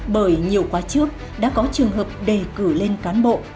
bởi nhiều khóa trước đã có trường hợp đề cử lên cán bộ